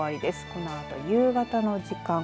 このあと夕方の時間。